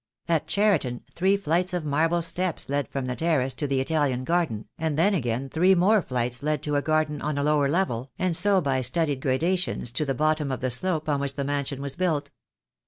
At Cheriton three flights of marble steps led from the terrace to the Italian garden, and then again three more flights led to a garden on a lower level, and so by studied gradations to the bottom of the slope on which the mansion was built.